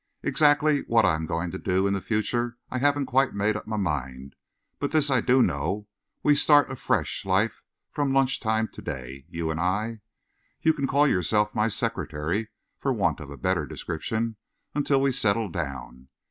"Exactly what I am going to do in the future I haven't quite made up my mind, but this I do know we start a fresh life from lunch time to day, you and I. You can call yourself my secretary, for want of a better description, until we settle down.